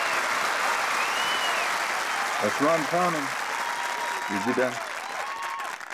Aasmaan tʰaanum, birdi daṅ